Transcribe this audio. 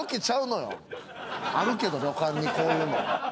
あるけど旅館にこういうの。